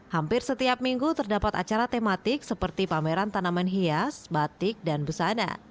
hampir setiap minggu terdapat acara tematik seperti pameran tanaman hias batik dan busana